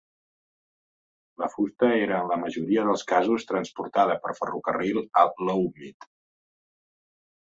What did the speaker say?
La fusta era en la majoria dels casos transportada per ferrocarril a Lowmead.